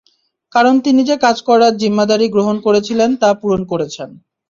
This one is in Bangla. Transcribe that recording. কারণ তিনি যে কাজ করার জিম্মাদারী গ্রহণ করেছিলেন তা পূরণ করেছেন।